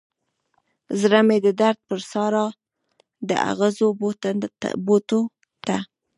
زړه مې د درد پر سارا د اغزو بوټو ته